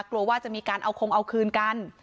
กลัวว่าจะมีการเอาคงเอาคืนกัน